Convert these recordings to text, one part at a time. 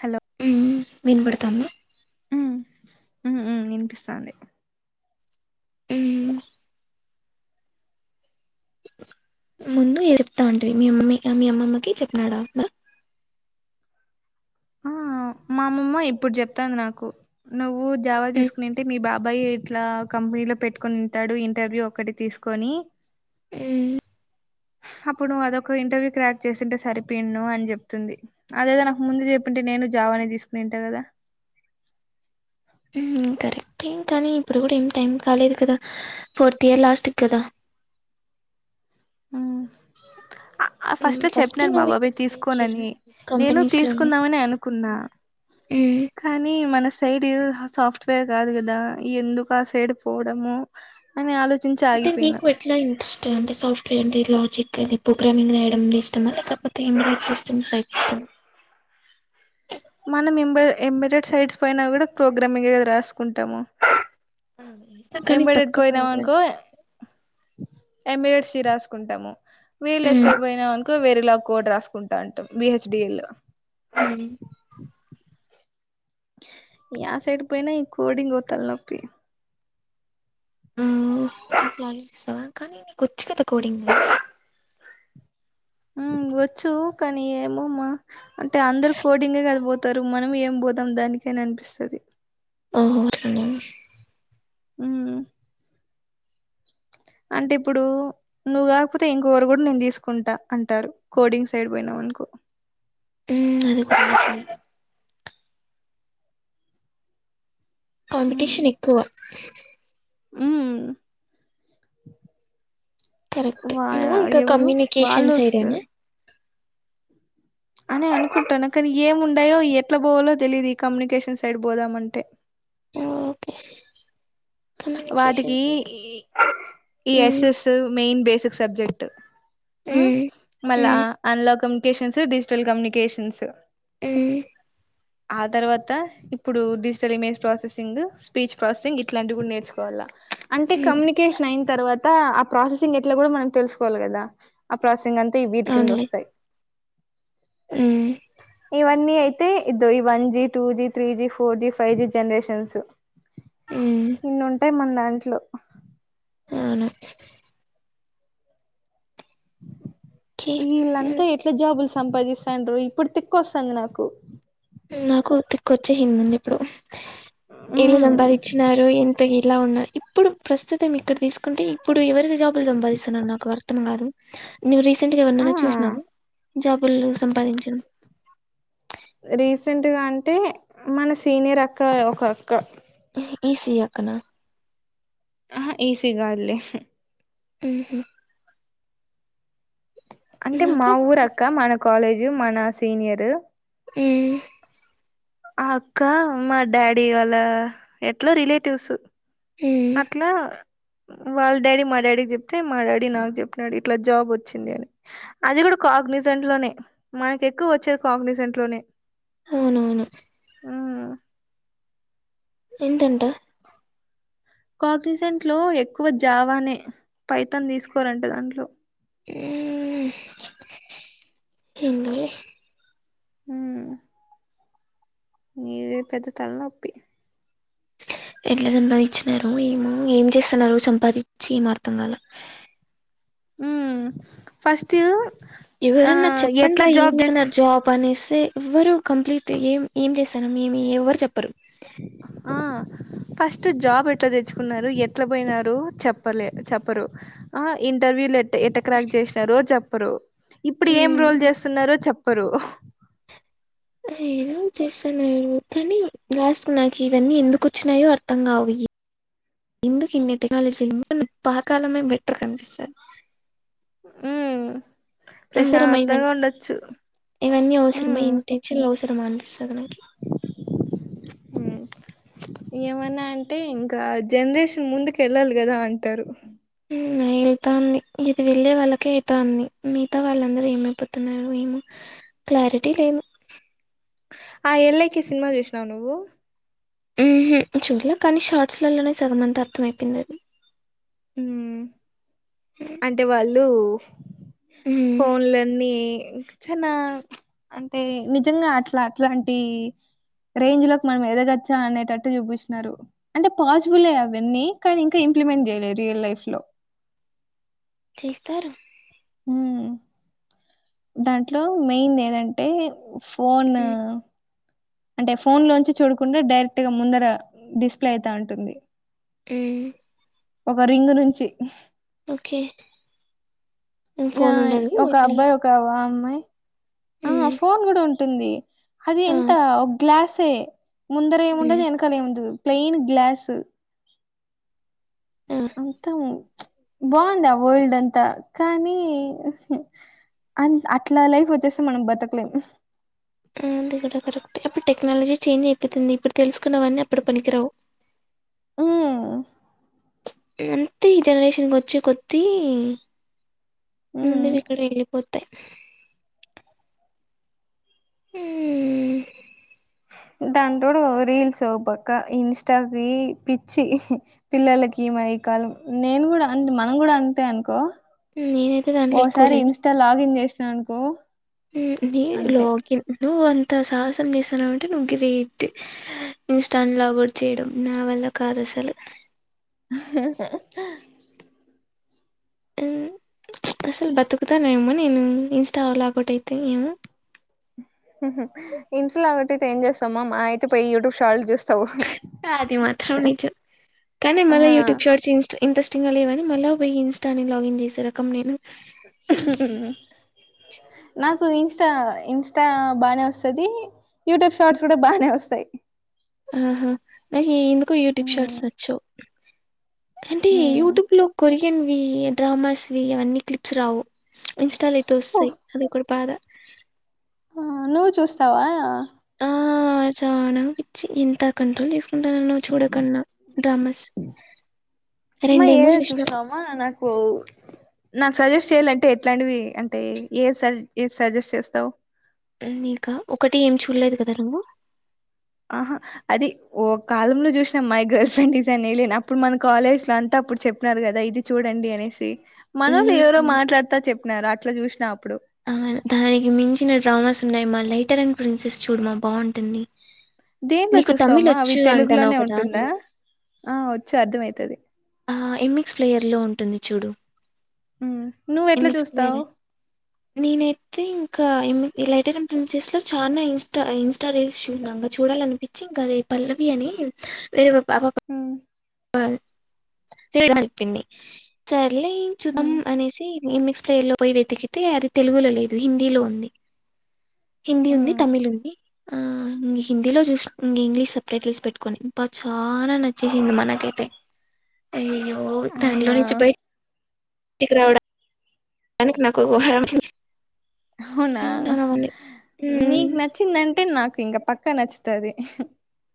Hello ఊ వినబడతాంద ఊ ఉ వినిపిస్తంది ము ముందు ఏడుపుతంటేమీ అమ్మ మీ అమ్మమ్మకి చెప్పినాడా! ఆ మా అమమ్మ ఇప్పుడు జెప్తాంది నాకు నువ్వు జావా తీసుకునింటే మీ బాబాయ్ ఇట్లా! కంపెనీలో పెట్టుకొనుంటడు ఇంటర్వ్యూ ఒకటి తీసుకొని ఉమ్ అప్పుడు నువ్వు అదొక ఇంటర్వ్యూ క్రాక్ జేసింటే సరిపోయిండు అని చెప్తుంది. అదేదో నాకు ముందు జెప్పంటే నేను జావానే తీసుకునెంటా గదా ము కరెక్ట్ం కానీ ఇప్పుడు కూడా ఏం టైం కాలేదు గదా ఫోర్త్ ఇయర్ లాస్ట్కి కదా! ము ఆ ఆ ఉమ్ ఫస్ట్ చెప్పినాడు మా నువ్వు ఇక్కడ బాబాయీ ట్రై చెయ్యి తీసుకోనని నేను కంపెనీస్ తీసుకుందామని అనుకున్నా ఉ కనీ మన సైడ్ సాఫ్ట్వేర్ కాదు కదా ఎందుకు ఆ సైడ్ పోవడము. అని ఆలోచించి ఆగిపోయినా క్లయింట్స్ ఇష్టం అంటే సాఫ్ట్వేర్ అంటే లాజిక్ అది ప్రోగ్రామింగ్ రాయడం ఇష్టమా లేకపోతే ఎండ్రాయిడ్ సిస్టమ్స్ వైపు ఇష్టమా మనం ఎంబ ఎంబెడెడ్ సైడ్స్ పైనా గుడా ప్రోగ్రామింగ్ గ రాసుకుంటాము. ఇస్తా కానీ ఎంబడడి తక్కువ కదా పోయినవనుకో ఎమిరెట్స రాసుకుంటాము వీళ్ళ ఉమ్ ఎస్ ఐ అయిపోయినవనుకో వేరే ల కోడ్ రాసుకుంటంటం బిహెచ్డీఎల్ లొ ఉ ఇగ ఆ సైడ్ పోయినా ఈ కోడింగో తల నొప్పి ఉ అట్లా ఆలోచిస్తావా కానీ నీకు ఒచ్చు కద కోడింగ్ ఒచ్చు కానీ ఏమోమ్మా అంటే అందరు కోడింగే కద పోతారు మనం ఏం పోదాం దానికని అని అనిపిస్తది. ఓహో అట్లనా! ఉ అంటే ఇప్పుడు నువ్వు గాకపోతే ఇంకోకరు గూడ నేను తీసుకుంటా అంటారు కోడింగ్ సైడ్ పోయినామనుకో ఉమ్ అదొక [inaudible] ఉమ్ కాంపిటిషన్ ఎక్కువ ఉమ్ కరెక్ట్ వాయా నువ్వు ఇంకా ఎవరు కమ్యూనికేషన్ సైడేనా వాల్లోస్తరు అని అనుకుంటాన కానీ ఏముండాయో ఎట్లా పోవాలో తెలిదు ఈ కమ్యూనికేషన్ సైడ్ పోదామంటే ఓకే కమ్యూనికేషన్ వాటికీ సైడ్ ఈ ఎస్ ఉమ్ yes main basic subject um మళ్ళా ఉమ్ అల్ల కమ్యూనికేషన్స్ డిజిటల్ కమ్యూనికేషన్స్ ఉమ్ ఆ తర్వాత ఇప్పుడు digital image processing speech processing ఇప్ అంటే ఉమ్ కమ్యూనిక్ కేషన్ అయిన్తర్వాత ఆ ప్రాసెసింగ్ ఎట్ల కూడా మనం తెలుసుకోవాలి కదా ఆ ప్రాసెసింగ్ అంతా ఈ వీటి అవునులే కిందొస్తాయి ఉమ్ ఇవన్నీ అయితే ఇద్దో ఈ one G, two G, three G, four G, five G generations um ఇన్నుంటాయి మన దాంట్లో అవును ఓకే ఉమ్, ఈళ్ళంతా ఎట్లా జాబులు సంపాదిస్తాండ్రు ఇప్పుడు తిక్కొస్థాంది నాకు నాకు తిక్కొచ్చేసిందండి ఎప్పుడో ఎలా సంపాదించినారో ఎంద్ త్తగెలా ఉన్నారు ఇప్పుడు ప్రస్తుతం ఇక్కడ తీసుకుంటే ఇప్పుడు ఎవరిజాబులు సంపాదిస్తున్నరు నాకు అర్థం కాదు నువు రీసెంట్ గా ఆ ఎవరినైనా చూసినావ జాబులు సంపాదించడం రీసెంట్గా అంటే మన సీనియర్ అక్క ఒక అక్క ఈ సి ఇ అక్కనా ఆహ ఈ సి ఇ గాదులే ఉమ్ హ్ అంటే మా నాకే ఊరక్క, మన కాలేజ్, మన సీనియర్ ఉమ్ ఆ అక్క మా డాడీ వాళ్ళ ఎట్లో రిలేటివ్స్ ఉమ్ అట్ల వాళ్ళ డాడీ మా డాడీకి జెప్తే మా డాడీ నాకు చెప్పినాడు ఇట్లా జాబ్ వచ్చింది అని అది గూడ కాగ్నేజెంట్ లోనే మనకు ఎక్కువ వచ్చేది కాగ్నిజెంట్ లోనే అవునవును ఉమ్ ఎంతంట కాగ్నిసెంట్ లో ఎక్కువ జావానే పైతాన్ దిసుకోరంట దాంట్లో ఊమ్ ఎందోలె ఉమ్ ఇది పెద్ద తలనొప్పి ఎట్ల సంపాదించినారో ఏమో ఏం చేస్తున్నారు సంపాదిచ్చి ఏం అర్థం కాల ఉమ్ ఫస్ట్ ఆ ఎవరన్నా ఎట్లా చెప్పండ్రా ఏం జాబ్ తెచ్చు చేసన్నారు జాబ్. పనిస్తే ఎవ్వరు కంప్లీట్ ఏం ఏం చేస్తానం ఏమి ఎవ్వరు చెప్పరు. ఆ ఫస్టు జాబ్ ఎట్లా తెచ్చుకున్నారు ఎట్లా పొయినారు చెప్పలే చెప్పరు. ఆ ఇంటర్వూల్ ఎట్ ఎట్టా క్రాగ్ చేశినరో చెప్పరు ఇప్పుడు ఏం ఉమ్ రోల్ చేస్తున్నారో చెప్పరు. ఏదో చేస్తున్నారు కానీ లాస్ట్ నాకు ఇవన్నీ ఎందుకు వచ్చినాయో అర్థం కావు ఇయి. ఎందుకు ఇన్ని టెక్నాలజీలు [inaudible] పాకాలమే బెటర్గ అనిపిస్తది. ఊ అందరమై ఇవన్నీ ఇవన్నీ అవసరమా ఇన్ని టెన్షన్లు అవసరమా అనిపిస్తది నాకీ. ఉ ఏమన్నా అంటే ఇంకా జనరేషన్ ముందుకు ఎళ్ళాలి గదా అంటారు. ఉమ్ వెళ్తాంది ఇది వెళ్ళే వాళ్ళకే అయితాంది మిగతా వాళ్ళందరూ ఏమైపోతున్నారో ఏమో. క్లారిటీ లేను ఆ ఎల్లేకి సినిమా చూశినావా నువ్వూ ఊహు చూడలే కానీ షార్ట్స్ లల్లనే సగం అంతా అర్థం అయిపోయింది అది. ఊ అంటే వాళ్ళూ హ్మ్ ఫోన్లన్నీ చానా అంటే నిజంగా అట్లా అట్లాంటీ రేంజ్ లోకి మనం ఎదగొచ్చా అనేటట్టు చూపిచ్చిన్నారు. అంటే పాసిబులే అవన్నీ కానీ ఇంకా ఇంప్లిమెంట్ జేయలే రియల్ లైఫ్ లో. చేస్తారు ఊ దాంట్లో మెయిన్ దేదంటే ఫోనూ ఉమ్ అంటే ఫోన్ లోంచి చూడకుండా డైరెక్ట్ గా ముందరా డిస్ప్లే అవుతా ఉంటుంది. ఊ ఒక రింగు నుంచి ఓకే ఇలా ఫోన్ ఉండదు ఒక ఓన్లీ అబ్బాయి ఒక్ కా వా అమ్మాయి ఆ ఉమ్ ఫోన్ కూడా ఉంటుందీ అది ఆ ఎంతా ఒ గ్లాసే ముందర ఏం ఉమ్ ఉండదు ఎనకాల ఏం ఉండదు ప్లెయిన్ గ్లాసు. ఆ అంతా ప్చ్ బాగుంది ఆ వరల్డ్ అంతా కానీ అన్ అట్లా లైఫ్ వచ్చేస్తా మనం బతకలేం. ఆంది కూడా కరెక్టే అప్పుడు టెక్నాలజీ చేంజ్ అయిపోతుంది ఇప్పుడు తెలుసుకున్నవన్నీ అప్పుడు పనికిరావు. ఆ అద్ అంతే ఈ జనరేషన్కి వచ్చే కొద్దీ ఉమ్ ముందువి ఇక్కడ ఎళ్ళిపోత్. తెయ్ ఊ దానికి తోడు ఓ రీల్స్ ఓ పక్కా ఇన్స్టాకి పిచ్చి. పిల్లలకి మరి ఈ కాలం నేను గూడా అంతే మనం గూడా అంతే అనుకో. నేనైతే దాంట్లో ఎక్కువ ఓసారి లేదు ఇన్స్టా లాగిన్ చేశినా అనుకో. నీ అంతే లాగిన్ నువ్వు అంత సాహసం చేస్తున్నావ అంటే నువ్వు గ్రేటు. ఇన్స్టాను లాగౌట్ చేయడం నా వల్ల కాదు అసలు. ఉమ్ అసలు బతుకుతానేేమో నేను ఇన్స్టా లా ఒకటి అయితే ఏమో ఇంట్ల ఒకటియితే ఏం చేస్తామ్మా మా అయితే పోయి యూట్యూబ్ షాలు చెస్తావు అది మాత్రం నిజం కానీ ఆ మల్ల యూట్యూబ్ షార్ట్స్ ఇన్స సీన్స్ ఇంట్రెస్టింగ్ గా లేవని మళ్ళ పొయి ఇన్స్టాని లాగిన్ చేసే రకం నేను ఉ హు నాకు ఇంస్టా ఇంస్టా బాగానే వస్తుంది యూట్యూబ్ షార్ట్స్ కూడా బాగానే వస్తాయి ఆహా నాకు ఎందుకో యూట్యూబ్ ఉమ్ షాట్స్ నచ్చవ్ అంటే ఉమ్ యూట్యూబ్ లో కొరియన్ వి డ్రామాస్వి అవన్నీ క్లిప్స్ రావు ఇన్స్టాల అయితే వస్తాయి ఓహ్ అది కూడా బాధ ఆ నువ్వు చూస్తావా ఆ చనా పిచ్చి ఎంత కంట్రోల్ చేసు కుంట చూడకన్నా డ్రామాస్ రెండేమో చూసిన ఆ నాకు నాకు సజెస్ట్ చేయ్యాల అంటే ఎట్లాంటివి అంటే ఏ స ఏ సజెస్ట్ చేస్తావు నీక ఒకటి ఏమి చూడలేదు కదా నువ్వు ఆహా అది ఓ కాలంలో చూసినం మై గర్ల్ ఫ్రెండ్ ఇజ అనిలేను అప్పుడు మన కాలేజ్ లో అంతా అప్పుడు చెప్పినారు కదా ఇది చూడండి అనేసి మనలు ఎవరో మ్మ్. మాట్లాడుతా చెప్పినారు అట్లా చూసిన అప్పుడు ఆ దానికి మించిన డ్రామాస్ ఉన్నాయి మా లైటర్ అండ్ ప్రిన్సెస్ చూడమా బాగుంటుంది దీంట్లో నీకు తమిళ్ చూస్తావమా అవి వచ్చు అంటున్నావు తెలుగులోనే కదా ఉంటుందా ఆ వచ్చ అర్ధమయితది ఆ ఎమ్మిక్స్ ప్లేయర్ లో ఉంటుంది చూడు ఊ ను ఎమిక్స్ ప్లేయర్ నేనైతే ఇంకా లైటర్ం ప్రన్సెస్ లో చాలా ఇన్స్టా ఇన్స్టా రీల్స్ చూక చూడాలనిపించ చింక్ అదే పల్లవి అని వేరే పాపా పా ఉ [unintelligible] సర్లే చూద్దాం మ్మ్ అనేసి ఈ మిక్స్ ప్లేయర్ లో పోయి వెతికితే అది తెలుగులో లేదు హిందీలో ఉంది హిందీ ఉంది మ్మ్ తమిళ్ ఉంది ఆ ఇం హిందీలో చూస ఇంగ ఇంగ్లీష్ సపరేట్ లీస్ పెట్టుకొని అబ చాలా నచ్చేసింది మనకి అయ్యయ్యో దాం లో అవునా నుంచి బయటికి రావడ దానికి నాకు ఒక వారం అయింది అవునా హ్మ్. నీకు నచ్చిందంటే నాకు ఇంకా పక్క నచ్చుతుంది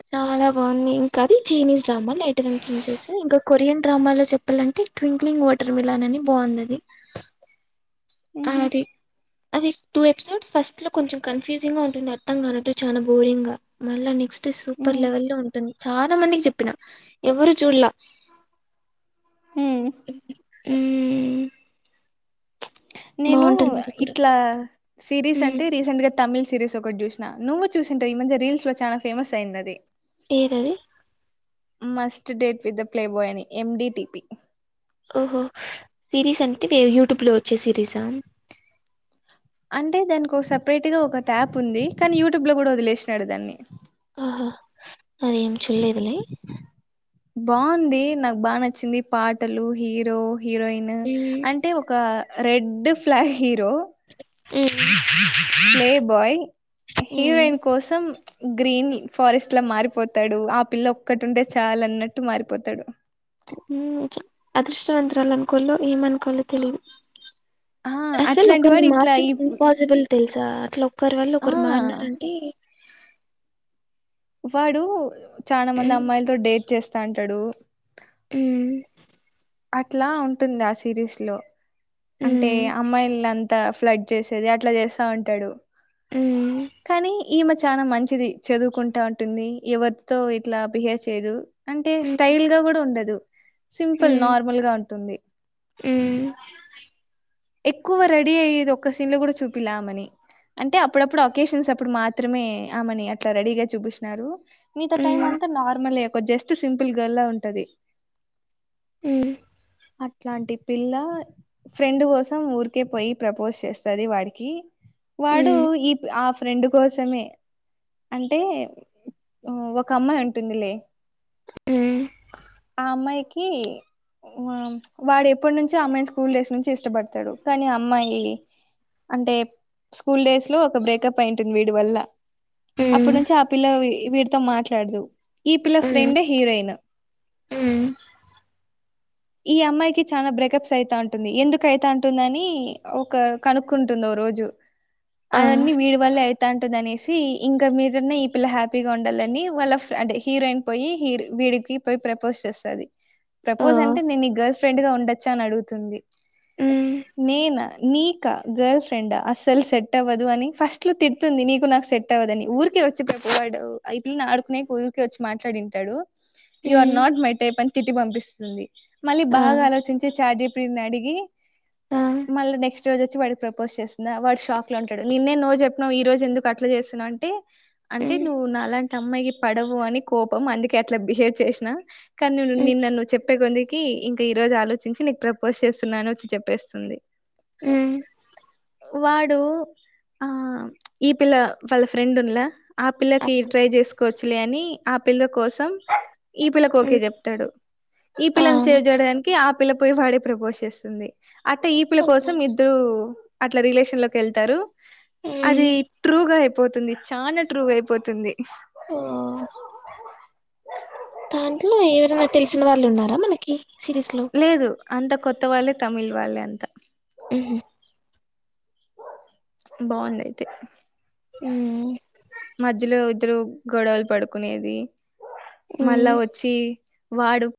చాలా బాగుంది ఇంకా అది Chinese drama lighter and princess ఇంకా కొరియన్డ్రామాలో చెప్ పల్ అంటే ట్వింక్లింగ్ వాటర్ మిల్ అని బాగుందది మ్మ్ హ్మ్ అది అది టూ ఎపిసోడ్స్ ఫస్ట్ లో కొంచెం కన్ఫ్యూజింగ్ గా ఉంటుంది అర్థం కానట్టు చాలా బోరింగ్ గా మళ్ళా నెక్స్ట్ సూపర్ మ్మ్ లెవెల్ లో ఉంటుంది చాలా మందికి చెప్పిన ఎవరు చూడలా హ్మ్ ఇది ఊ నేను అది కూడా ఇట్లా సిరీస్ మ్మ్, అంటే రీసెంట్ గా తమిళ్ సిరీస్ ఒకటి చూసినా నువ్వు చూసింటవ్ ఈ మధ్య రీల్స్ లో చాలా ఫమస్ అయింది అది ఏదది must date with the play boy అని ఎం డిటిపి ఓహో సిరీస్ అంటే యూట్యూబ్ లో వచ్చే సిరీసా అంటే దానికి ఒక సపరేట్ గా ఒక ట్యాప్ ఉంది కానీ యూట్యూబ్ లో కూడా వదిలేసినాడు దాన్ని ఆహా అదెం చూళ్ళేదులే బాగుంది నాకు బా నచ్చింది పాటలు హీరో హీరోయిన్ మ్మ్, అంటే ఒక రెడ్ ఫ్లా హీరో ఓ ప్లే బాయ్ హీరోయిన్ కోసం గ్రీన్ ఫారెస్ట్ లా మారిపోతాడు ఆ పిల్ల ఒక్కటి ఉంటే చాలు అన్నట్టు మారిపోతాడు అదృష్టవంతరాలు అనుకోలో ఏమనుకోలో తెలిదు ఆ అసలు అట్లాంటి ఒకరిని వాడు ఇట్లా ఈ మార్చడం ఇంపాసిబుల్ తెలుసా అట్లా ఒకరి వాల్ల ఆ ఒకరు మారీనాడంటే వాడు చాలా మంది మ్మ్, అమ్మాయిలతో డేట్ చేస్తా అంటాడు ఉ అట్లా ఉంటుంది ఆ సిరీస్ లో అంటే మ్మ్, అమ్మాయిలు అంతా ఫ్లడ్ చేసేది అట్లా చేస్తా ఉంటాడు మ్మ్. కానీ ఈమె చాల మంచిది చదువుకుంటా ఉంటుంది ఎవరితో ఇట్లా బిహేవ్ చేయదు అంటే ఉమ్ స్టైల్ గా కూడా ఉండదు సింపుల్ నార్మల్ గా ఉంటుంది ఉ ఎక్కువ రెడీ అయ్యేది ఒక్క సీన్ లో కూడా చూపిల ఆమెని అంటే అప్పుడప్పుడు ఆకేషన్స్ అప్పుడు మాత్రమే ఆమెని అట్లా రెడీగా చూపించినారు మిగతా ఉమ్ టైం ఉమ్ అంతా నార్మలే ఒక జస్ట్ సింపుల్ గర్ల్లా ఉంటది ఉ అట్లాంటి పిల్ల ఫ్రెండ్ కోసం ఊరికే పోయి ప్రపోజ్ చేస్తది వాడికి వాడు ఈ ఆ ఫ్రెండ్ కోసమే అంటే ఒక అమ్మాయి ఉంటుందిలే ఆ అమ్మాయి కి వాడు ఎప్పటి నుంచో అమాయి స్కూల్ డేస్ నుంచి ఇష్టపడతాడు కానీ అమ్మాయి అంటే స్కూల్ డేస్ లో ఒక బ్రేకప్ అయింటుంది వీడి వల్ల అప్పటి నుంచి ఆ పిల్ల వీడితో మాట్లాడదు ఈ పిల్ల ఫ్రెండే హీరోయిన్ అ ఈ అమ్మాయికి చానా బ్రేకప్స్ అయిత ఉంటుంది ఎందుకు అయిత ఉంటుందని ఒక కనుక్కుంటుంది ఓ రోజు ఆ అవన్ని వీడి వల్లె అయి అంటుందనేసి ఇంకా మీరన్నా ఈ పిల్ల హ్యాపీగా ఉండాలని వాళ్ళ అంటే హీరోయిన్ పోయి హీరో వీడికి పోయి ప్రపోజ్ చేస్తది ఓ ప్రపోజ్ అంటే నేను ని గర్ల్ ఫ్రెండ్ గా ఉండొచ్చా అని అడుగుతుంది ఉమ్ నేనా నీకా గర్ల్ ఫ్రెండ అసలు సెట్ అవ్వదు అని ఫస్ట్ లో తిడుతుంది నీకు నాకు సెట్ టవదని ఊరికే వచ్చి ప్రపో వాడు పిల్ని ఆడుకునే కూ ఊరికి వచ్చి మాట్లాడింటాడు you are um not my type అని తిట్టి పంపిస్తుంది మళ్ళీ ఆ బాగా ఆలోచించి చాట్ జీపిటిని అడిగి ఆ మళ్ళ నెక్స్ట్ రోజు వచ్చి వాడికి ప్రపోజ్ చేస్తుందా వాడు షాక్ లో ఉంటాడు నిన్నే నో చెప్పినవు ఈరోజు ఎందుకు అట్లా చేస్తున్నావుంటే అంటే ఉమ్ నువ్వు నాలాంటి అమ్మాయికి పడవు అని కోపం అందుకే అట్లా బిహేవ్ చేసిన కానీ నువు ఉమ్ నిన్న నువు చెప్పే కొందికి ఇంకా ఈ రోజు ఆలోచించి నీకు ప్రపోజ్ చేస్తున్నాను వచ్చి చెప్పేస్తుంది ఉ వాడు ఆ ఈ పిల్ల వాళ్ళ ఫ్రెండ్ ఉన్ల ఆ పిల్లకి ట్రై చేసుకోవచ్చులే అని ఆ పిల్ల కోసం ఈ పిల్లకు ఓకే ఉమ్ చెప్తాడు ఇ ఆ ఆ పిల్లను సేవ్ చేయడానికి ఆ పిల్ల పొయి వాడే ప్రపోజ్ చేస్తుంది అంటే ఈ [unintelligible] కోసం ఇద్దరు అట్ల రిలేషన్ లోకి వెళ్తారు అది ఉమ్ ట్రూగ అయిపోతుంది చన ట్రూగ అయిపోతుంది ఓ దాంట్లో ఏవరన్న తెలిసిన వాళ్ళు ఉన్నార మనకి సిరీస్లో లేదు అంత కొత్త వాళ్ళే తమిళ్ వాళ్ళే అంత ఉ బాగుంది అయితే ఆ మధ్యలో ఇద్దరు గొడవలు పడుకునేది ఉమ్ మళ్ళా ఒచ్చి వాడు